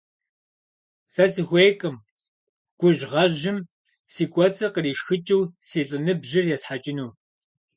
Сэ сыхуейкъым гужьгъэжьым си кӀуэцӀыр къришхыкӀыу си лӀыныбжьыр есхьэкӀыну.